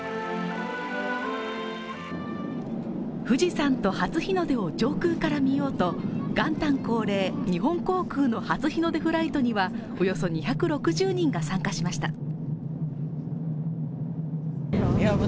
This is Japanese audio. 富士山と初日の出を上空から見ようと元旦恒例、日本航空の初日の出フライトにはおよそ２６０人が参加しました。